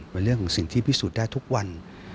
เป็นเรื่องของสิ่งที่พิสูจน์ได้ทุกวัน